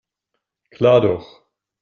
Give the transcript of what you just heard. Klar doch.